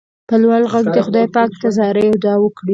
په لوړ غږ دې خدای پاک ته زارۍ او دعا وکړئ.